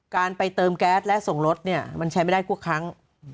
การไปเติมแก๊สและส่งรถเนี่ยมันใช้ไม่ได้ทุกครั้ง